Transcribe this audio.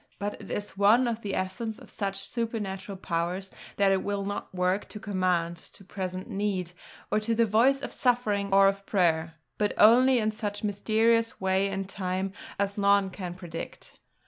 But it is of the essence of such supernatural power that it will not work to command, to present need, to the voice of suffering or of prayer; but only in such mysterious way and time as none can predicate.